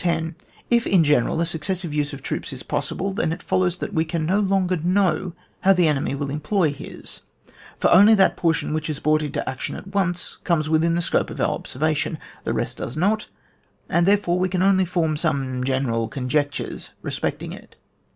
If, in general, a successive use of troops is possible, then it follows that we can no longer know how the enemy will employ his ; for only that portion which is brought into action at once comes within the scope of our observation, the rest does not, and therefore we can only form some general conjectures respecting it.